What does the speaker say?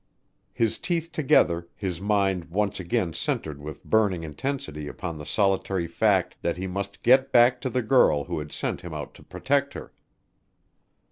His teeth together, his mind once again centered with burning intensity upon the solitary fact that he must get back to the girl who had sent him out to protect her.